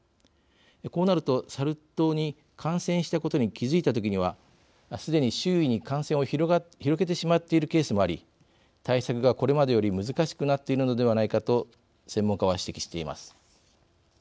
こうなるとサル痘に感染したことに気づいたときにはすでに周囲に感染を広げてしまっているケースもあり対策が、これまでより難しくなっているのではないかと専門家は指摘しています。